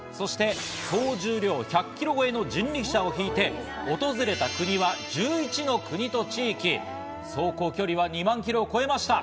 総重量１００キロ超えの人力車を引いて訪れた国は１１の国と地域、走行距離は２万キロを超えました。